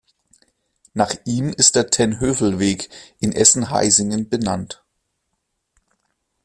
Nach ihm ist der Ten-Hövel-Weg in Essen-Heisingen benannt.